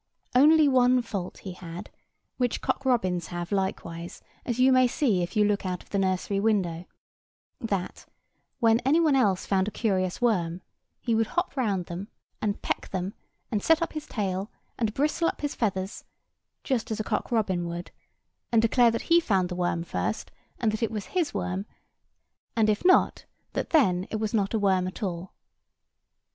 Only one fault he had, which cock robins have likewise, as you may see if you look out of the nursery window—that, when any one else found a curious worm, he would hop round them, and peck them, and set up his tail, and bristle up his feathers, just as a cock robin would; and declare that he found the worm first; and that it was his worm; and, if not, that then it was not a worm at all.